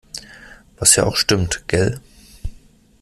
Was ja auch stimmt. Gell?